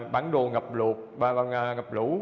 bản đồ ngập lụt và ngập lũ